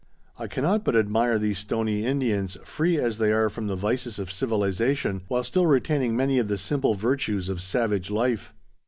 I cannot but admire these Stoney Indians, free as they are from the vices of civilization, while still retaining many of the simple virtues of savage life.